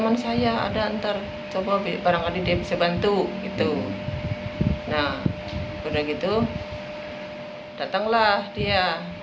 nah udah gitu datanglah dia